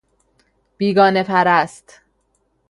بیگانه پرست